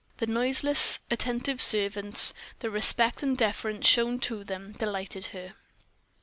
The noiseless, attentive servants the respect and deference shown to them delighted her.